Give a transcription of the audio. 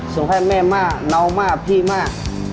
ส่งให้แม่มาน้องมาพี่มา